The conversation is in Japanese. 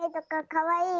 かわいい！